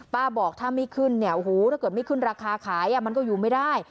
ป้าบอกถ้าไม่ขึ้นถ้าไม่ขึ้นราคาขายมันก็อยู่ไม่ได้